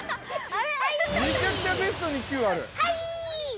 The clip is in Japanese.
めちゃくちゃベストにＱある。